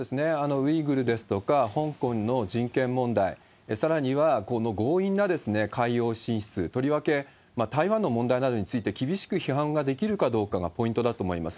ウイグルですとか香港の人権問題、さらにはこの強引な海洋進出、とりわけ台湾の問題などについて、厳しく批判ができるかどうかがポイントだと思います。